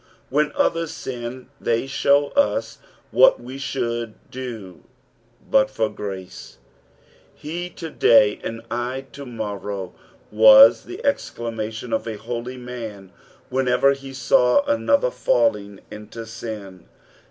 When others sin they snow us what we should do but for grace. "He to day and I to morrow," wastbe exclamation of a holy man, whenever he saw another falling into sin.